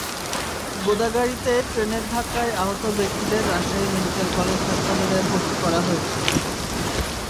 গোদাগাড়ীতে ট্রেনের ধাক্কায় আহত ব্যক্তিদের রাজশাহী মেডিকেল কলেজ হাসপাতালে ভর্তি করা হয়েছে।